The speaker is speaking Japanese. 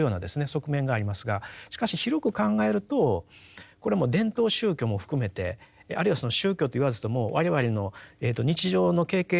側面がありますがしかし広く考えるとこれはもう伝統宗教も含めてあるいはその宗教と言わずとも我々の日常の経験